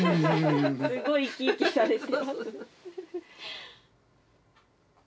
すごい生き生きされて。